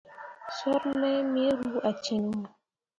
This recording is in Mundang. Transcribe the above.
Soor mai me ru a ciŋwo.